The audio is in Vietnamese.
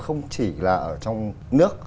không chỉ là trong nước